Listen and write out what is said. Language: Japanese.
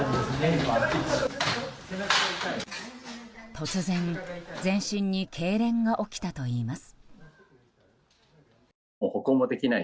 突然、全身にけいれんが起きたといいます。